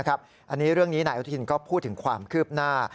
อันนี้เรื่องนี้นายอนุทินก็พูดถึงความคืบหน้า